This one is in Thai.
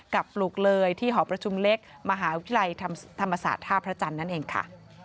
ปลูกเลยที่หอประชุมเล็กมหาวิทยาลัยธรรมศาสตร์ท่าพระจันทร์นั่นเองค่ะ